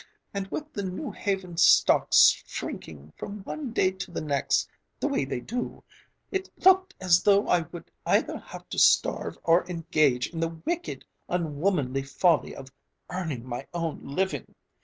And with the New Haven stocks shrinking from one day to the next, the way they do, it looked as though I would either have to starve or engage in the wicked, unwomanly folly of earning my own living.